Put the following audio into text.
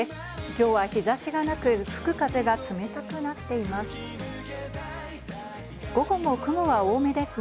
今日は日差しがなく、吹く風が冷たくなっています。